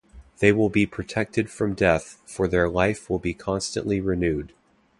They will be protected from death, for their life will be constantly renewed.